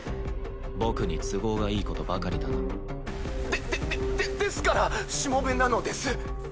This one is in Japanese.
僕に都合がいいことばかりだなででででですからしもべなのです